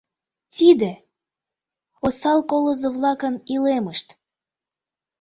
Тиде — осал колызо-влакын илемышт.